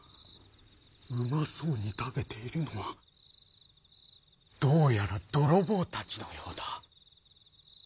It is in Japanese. うまそうに食べているのはどうやら泥棒たちのようだ」。